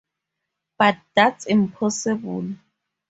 But that's impossible!